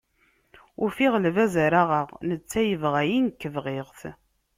Ufiɣ lbaz ara aɣeɣ, netta yebɣa-yi, nekk bɣiɣ-t.